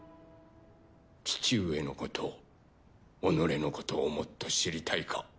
父上のこと己のことをもっと知りたいか？